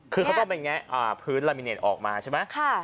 คือเขาต้องเป็นไงอ่าพื้นลามิเนตออกมาใช่ไหมค่ะ